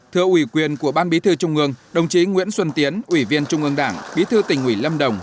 thưa ủy quyền của ban bí thư trung ương đồng chí nguyễn xuân tiến ủy viên trung ương đảng bí thư tỉnh ủy lâm đồng